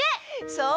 そう！